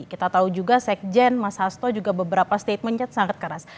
kita tahu juga sekjen mas hasto juga beberapa statementnya sangat keras